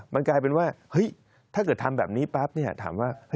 มันกลายเป็นว่าถ้าเกิดทำแบบนี้ปั๊บถามว่า